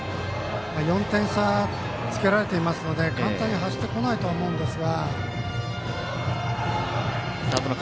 ４点差つけられていますので簡単に走ってこないと思うんですが。